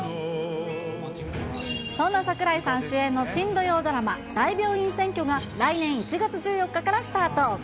そんな櫻井さん主演の新土曜ドラマ、大病院占拠が来年１月１４日からスタート。